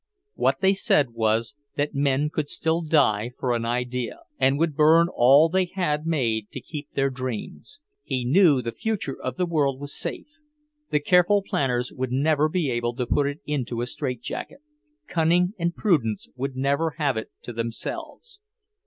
What they said was, that men could still die for an idea; and would burn all they had made to keep their dreams. He knew the future of the world was safe; the careful planners would never be able to put it into a strait jacket, cunning and prudence would never have it to themselves.